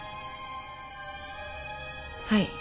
はい。